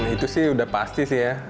itu sih udah pasti sih ya